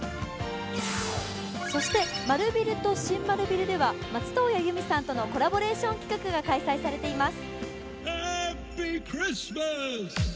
そして丸ビルと新丸ビルでは松任谷由実さんとのコラボレーション企画が開催されています。